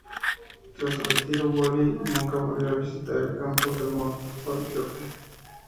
Tras su retiro, Woolley nunca volvió a visitar el campus de Mount Holyoke.